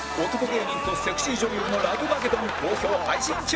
芸人とセクシー女優のラブマゲドン好評配信中